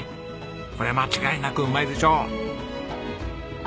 こりゃ間違いなくうまいでしょう。